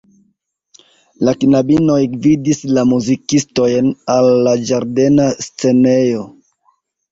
La knabinoj gvidis la muzikistojn al la ĝardena scenejo.